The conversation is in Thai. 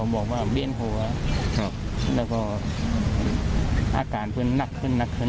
บอกว่าเบี้ยนหัวแล้วก็อาการเพื่อนหนักขึ้นหนักขึ้น